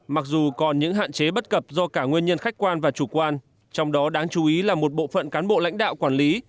mặc dù còn những hạn chế bất cập do cả nguyên nhân khách quan và chủ quan trong đó đáng chú ý là một bộ phận cán bộ lãnh đạo quản lý